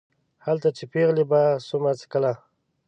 هلته چې پېغلې به سوما څکله